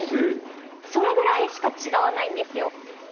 それぐらいしか違わないんですよ。